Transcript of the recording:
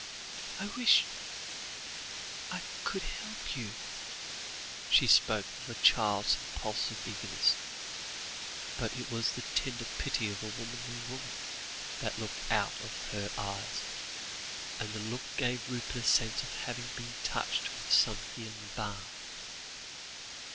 "I wish I could help you," she spoke with a child's impulsive eagerness, but it was the tender pity of a womanly woman, that looked out of her eyes, and the look gave Rupert a sense of having been touched with some healing balm.